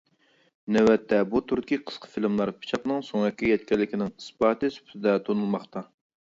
نۆۋەتتە بۇ تۈردىكى قىسقا فىلىملار پىچاقنىڭ سۆڭەككە يەتكەنلىكىنىڭ ئىسپاتى سۈپىتىدە تونۇلماقتا.